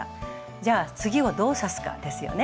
じゃあ次をどう刺すかですよね。